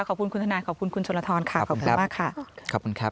ขอบคุณคุณท่านายขอบคุณคุณชนลทรค่ะขอบคุณมากค่ะ